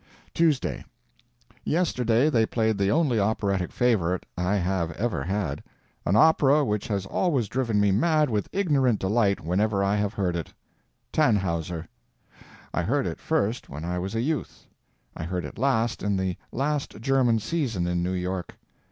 TUESDAY.—Yesterday they played the only operatic favorite I have ever had—an opera which has always driven me mad with ignorant delight whenever I have heard it—"Tannhauser." I heard it first when I was a youth; I heard it last in the last German season in New York.